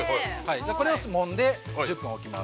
これをもんで、１０分置きます。